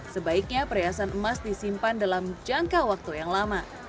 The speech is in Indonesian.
sebaiknya periasan emas disimpan dalam jangka waktunya